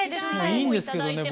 いいんですけどね